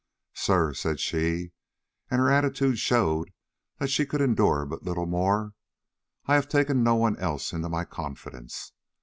"Sir," said she, and her attitude showed that she could endure but little more, "I have taken no one else into my confidence.